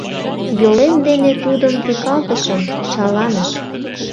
Йолем дене тудым тӱкалтышым – шаланыш.